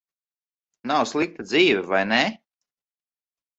Nav slikta dzīve, vai ne?